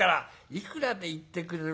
「いくらで行ってくれる？」。